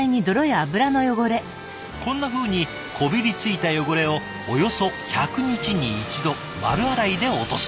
こんなふうにこびりついた汚れをおよそ１００日に一度丸洗いで落とす。